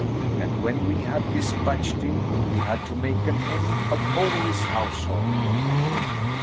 And when we had dispatched him, we had to make an end of all his household."